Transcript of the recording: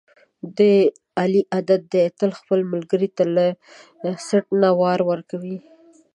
د علي عادت دی، تل خپل ملګري ته له څټ نه وار ورکوي.